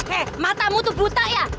hei matamu tuh buta ya